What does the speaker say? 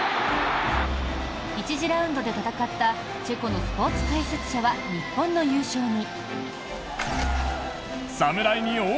１次ラウンドで戦ったチェコのスポーツ解説者は日本の優勝に。